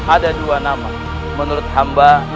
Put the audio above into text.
ada dua nama menurut hamba